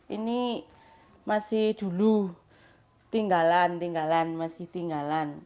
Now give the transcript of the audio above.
ini masih dulu tinggalan tinggalan masih tinggalan